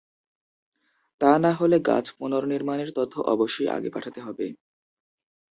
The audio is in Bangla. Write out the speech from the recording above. তা না হলে, গাছ পুনর্নিমাণের তথ্য অবশ্যই আগে পাঠাতে হবে।